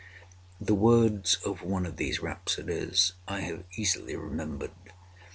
The words of one of these rhapsodies I have easily remembered.